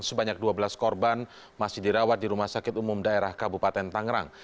sebanyak dua belas korban masih dirawat di rumah sakit umum daerah kabupaten tangerang